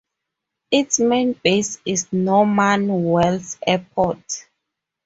Its main base is Norman Wells Airport.